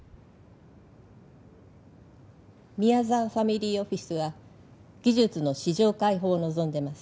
宮沢ファミリーオフィスは技術の市場開放を望んでます